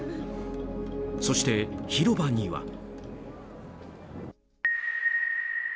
そして、広場には。